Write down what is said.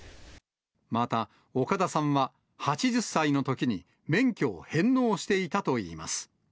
また岡田さんは８０歳のときに免許を返納していたといいます。